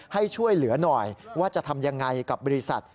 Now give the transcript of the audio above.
ให้ช่วยเหลือหน่อยว่าจะทำยังไงกับบริษัท